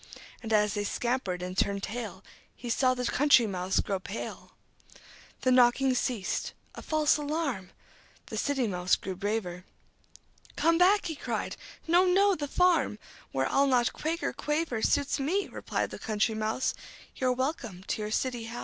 And as they scampered and turned tail, He saw the Country Mouse grow pale. The knocking ceased. A false alarm! The City Mouse grew braver. "Come back!" he cried. "No, no! The farm, Where I'll not quake or quaver, Suits me," replied the Country Mouse. "You're welcome to your city house."